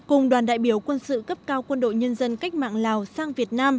cùng đoàn đại biểu quân sự cấp cao quân đội nhân dân cách mạng lào sang việt nam